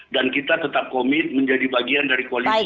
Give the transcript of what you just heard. dan kita tetap komit menjadi bagian dari koalisi